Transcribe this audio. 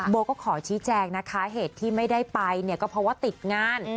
โบก็ขอชี้แจงนะคะเหตุที่ไม่ได้ไปเนี่ยก็เพราะว่าติดงาน